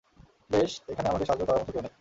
বেশ, এখানে আমাকে সাহায্য করার মতো কেউ নেই?